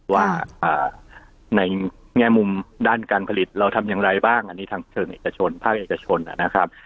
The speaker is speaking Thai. ว่าในแง่มุมด้านการผลิตเราทำอย่างไรบ้างอันนี้ทางเชิงเอกชนภาคเอกชนนะครับ